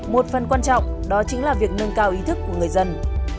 một phần quan trọng đó chính là việc nâng cao ý thức của người dân